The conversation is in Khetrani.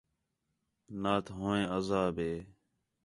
نات ہُو عیں عذاب ہے